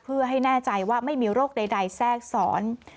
เพื่อให้แน่ใจว่าไม่มีโรคใดแทรกซ้อน